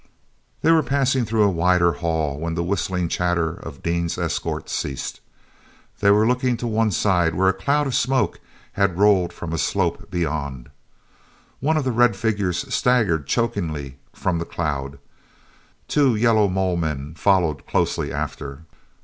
They were passing through a wider hall when the whistling chatter of Dean's escort ceased. They were looking to one side where a cloud of smoke had rolled from a slope beyond. One of the red figures staggered, choking, from the cloud. Two yellow mole men followed closely after.